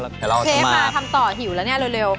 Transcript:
เชฟมาทำต่อหิวแล้วเนี่ยเร็ว